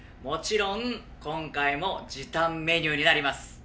もちろん今回も時短メニューになります。